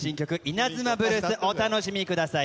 稲妻ブルースお楽しみください。